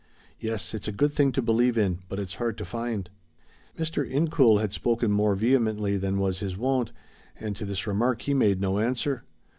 "Yes, it's a good thing to believe in, but it's hard to find." Mr. Incoul had spoken more vehemently than was his wont, and to this remark he made no answer.